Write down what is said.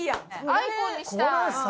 アイコンにしたい。